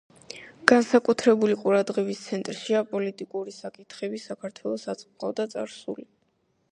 განსაკუთრებული ყურადღების ცენტრშია პოლიტიკური საკითხები, საქართველოს აწმყო და წარსული.